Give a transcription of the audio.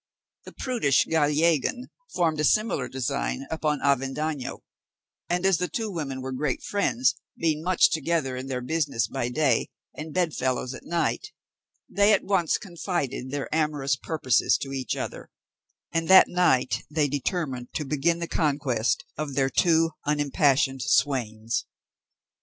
The prudish Gallegan formed a similar design upon Avendaño, and, as the two women were great friends, being much together in their business by day, and bed fellows at night, they at once confided their amorous purposes to each other; and that night they determined to begin the conquest of their two unimpassioned swains.